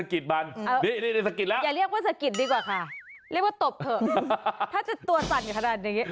อลีบเอามือมารวมพลัง